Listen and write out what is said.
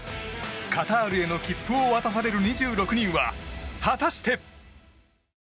カタールへの切符を渡される２６人は果たして。